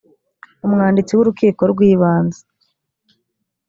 umwanditsi w urukiko rw ibanze